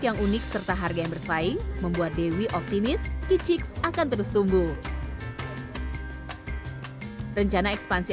yang unik serta harga yang bersaing membuat dewi optimis kicix akan terus tumbuh rencana ekspansi